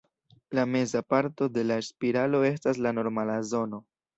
La meza parto de la spiralo estas la normala zono.